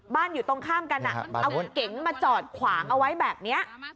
บ้านอยู่ตรงข้ามกันอ่ะเอาเก๋งมาจอดขวางเอาไว้แบบเนี้ย